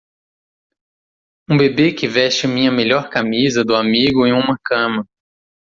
Um bebê que veste minha melhor camisa do amigo em uma cama.